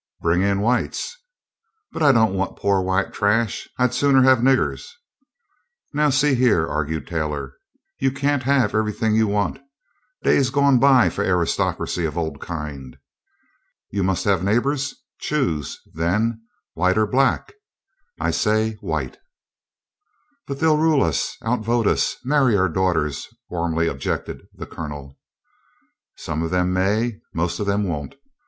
"Bring in whites." "But I don't want poor white trash; I'd sooner have niggers." "Now, see here," argued Taylor, "you can't have everything you want day's gone by for aristocracy of old kind. You must have neighbors: choose, then, white or black. I say white." "But they'll rule us out vote us marry our daughters," warmly objected the Colonel. "Some of them may most of them won't.